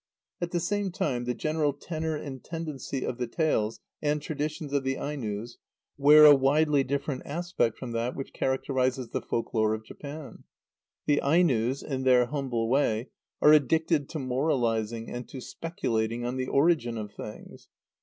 At the same time, the general tenour and tendency of the tales and traditions of the Ainos wear a widely different aspect from that which characterises the folk lore of Japan. The Ainos, in their humble way, are addicted to moralising and to speculating on the origin of things.